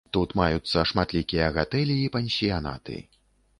Тут маюцца шматлікія гатэлі і пансіянаты.